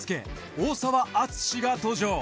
大澤敦が登場。